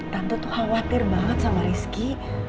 tante tuh khawatir banget sama rizky